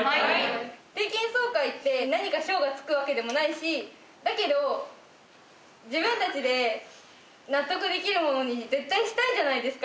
定期演奏会って何か賞がつくわけでもないし、だけど、自分たちで、納得できるものに絶対したいじゃないですか。